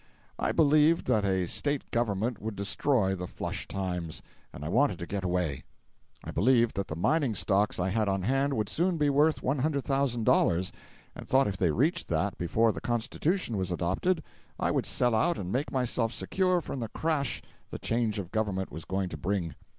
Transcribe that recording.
I believed that a State government would destroy the "flush times," and I wanted to get away. I believed that the mining stocks I had on hand would soon be worth $100,000, and thought if they reached that before the Constitution was adopted, I would sell out and make myself secure from the crash the change of government was going to bring.